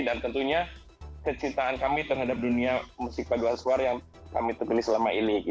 dan tentunya kecintaan kami terhadap dunia musik paduan suar yang kami tepilih selama ini